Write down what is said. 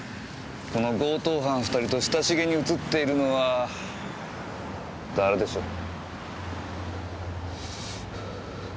この強盗犯２人と親しげに写っているのは誰でしょう？